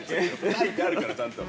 ◆書いてあるから、ちゃんと。